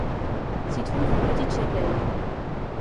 S'y trouve une petite chapelle.